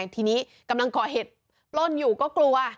ทีนี้กำลังก่อเหตุปล้นอยู่ก็กลัว